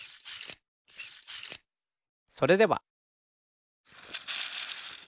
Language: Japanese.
それでは。